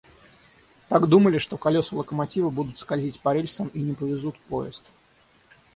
Так, думали, что колеса локомотива будут скользить по рельсам и не повезут поезд.